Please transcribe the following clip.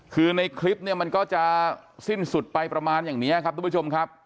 คือในคลิปเนี่ยมันก็จะสิ้นสุดไปประมาณอย่างนี้ครับทุกผู้ชมครับ